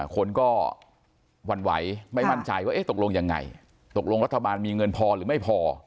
คนก็หวั่นไหวไม่มั่นใจว่าตกลงยังไงตกลงรัฐบาลมีเงินพอหรือไม่พอ